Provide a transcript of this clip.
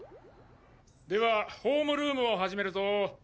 ではホームルームを始めるぞ。